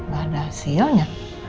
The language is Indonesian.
gak ada hasilnya